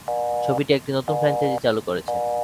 ছবিটি একটি নতুন ফ্র্যাঞ্চাইজি চালু করেছে।